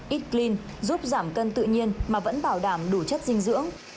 eat clean giúp giảm cân tự nhiên mà vẫn bảo đảm đủ chất dinh dưỡng